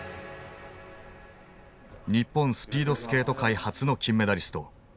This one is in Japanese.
日本スピードスケート界初の金メダリスト